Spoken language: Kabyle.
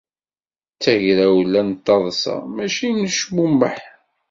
D tagrawla n taḍsa, mačči n ucmummeḥ!